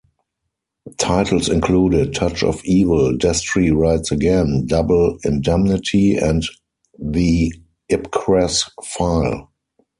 Titles included, Touch of Evil, Destry Rides Again, Double Indemnity and The Ipcress File.